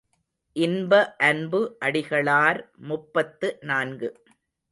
இன்ப அன்பு அடிகளார் முப்பத்து நான்கு.